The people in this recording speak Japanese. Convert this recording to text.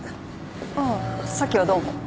ああさっきはどうも。